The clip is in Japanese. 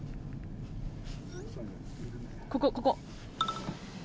ここ、ここ。